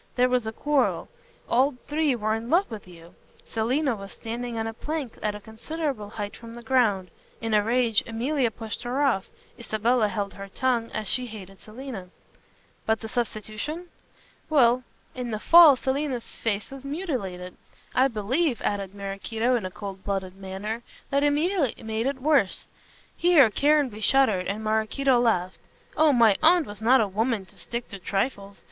There was a quarrel. All three were in love with you. Selina was standing on a plank at a considerable height from the ground. In a rage Emilia pushed her off. Isabella held her tongue as she hated Selina." "But the substitution?" "Well. In the fall Selina's face was much mutilated. I believe," added Maraquito, in a coldblooded manner, "that Emilia made it worse" here Caranby shuddered and Maraquito laughed "oh, my aunt was not a woman to stick at trifles.